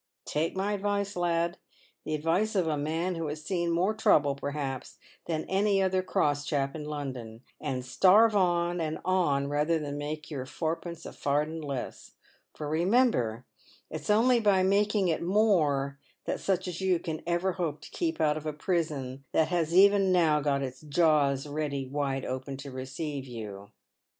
Take my advice, lad — the advice of a man who has seen more trouble, perhaps, than any other cross chap in London — and starve on and on rather than make your fourpence a farden less ; for remember it's only by making it more that such as you can ever hope to keep out of a prison that has even now got its jaws ready wide open to receive you."